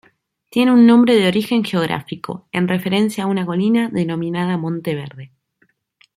Tiene un nombre de origen geográfico, en referencia a una colina denominada Monte Verde.